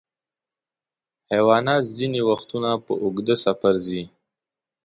حیوانات ځینې وختونه په اوږده سفر ځي.